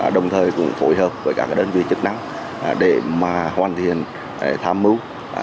đồng thời cũng phối hợp với các đơn vị chức năng để mà hoàn thiện tham mưu